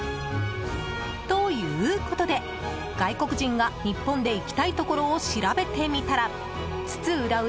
ということで、外国人が日本で行きたいところを調べてみたら津々浦々